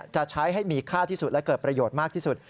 จะใช้ให้มีค่าที่สุดและเกิดประโยชน์มากที่สุด